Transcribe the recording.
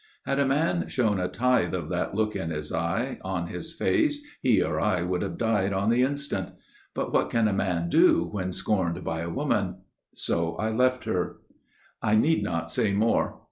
Had a man shown a tithe of that look in his eye, On his face, he or I would have died on the instant. But what can a man do, when scorned by a woman? So I left her. I need not say more.